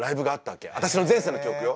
私の前世の記憶よ。